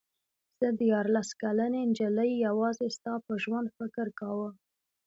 زه دیارلس کلنې نجلۍ یوازې ستا په ژوند فکر کاوه.